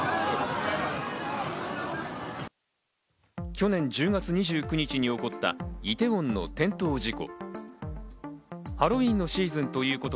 去年１０月２９日に起こったイテウォンの転倒事故。